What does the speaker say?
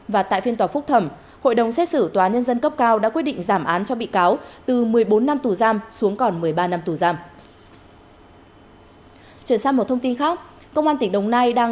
và tại phiên tòa phúc thẩm hội đồng xét xử tòa nhân dân cấp cao đã quyết định giảm án cho bị cáo từ một mươi bốn năm tù giam xuống còn một mươi ba năm tù giam